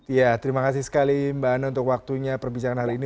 ya terima kasih sekali mbak ana untuk waktunya perbincangan hari ini